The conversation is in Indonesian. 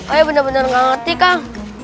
ayah bener bener gak ngerti kak